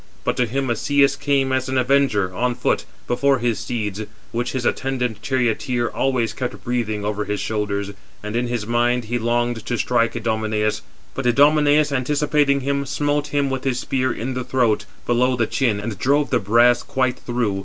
But to him Asius came as an avenger, on foot, before his steeds; which his attendant charioteer always kept breathing over his shoulders; 425 and in his mind he longed to strike Idomeneus, but he (Idomeneus) anticipating him, smote him with his spear in the throat, below the chin, and drove the brass quite through.